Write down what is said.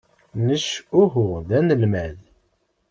Nec uhu d anelmad.